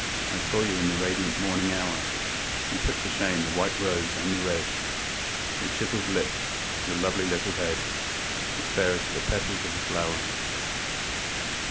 I saw you in the radiant morning hour: You put to shame the white rose and the red; Your chiselled lips, your little lovely head, Were fairer than the petals of a flower.